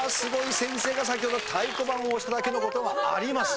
先生が先ほど太鼓判を押しただけの事はあります。